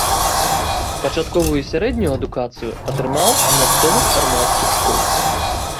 Пачатковую і сярэднюю адукацыю атрымаў у мясцовых армянскіх школах.